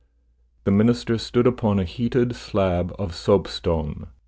The minister stood upon a heated slab of soap stone.